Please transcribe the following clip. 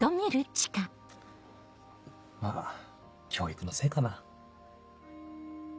まぁ教育のせいかな？